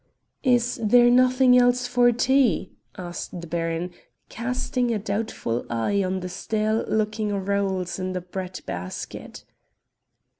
"Is there nothing else for tea?" asked the baron, casting a doubtful eye on the stale looking rolls in the bread basket.